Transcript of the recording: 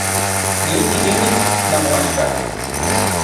Nin chikiuitl namoaxka.